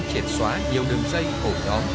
điều truyền xóa nhiều đường dây khổ nhóm